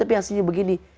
tapi hasilnya begini